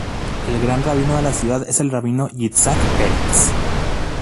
El gran rabino de la ciudad es el rabino Yitzhak Peretz.